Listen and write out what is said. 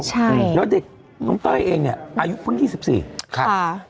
ใช่แล้วเด็กน้องเต้ยเองเนี่ยอายุเพิ่ง๒๔ค่ะ